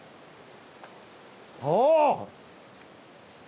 ああ！